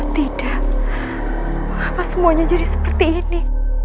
tidak apa semuanya jadi seperti ini